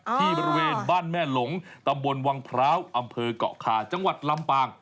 บริเวณบ้านแม่หลงตำบลวังพร้าวอำเภอกเกาะคาจังหวัดลำปาง